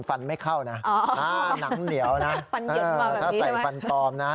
ฟันหยิบมาแบบนี้ว่าถ้าใส่ฟันปลอมนะ